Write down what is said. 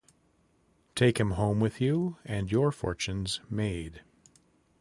Take him home with you and your fortune’s made.